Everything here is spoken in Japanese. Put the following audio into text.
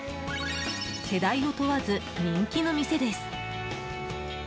世代を問わず人気の店です。